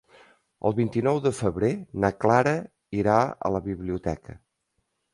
El vint-i-nou de febrer na Clara irà a la biblioteca.